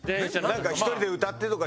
なんか１人で歌ってとか。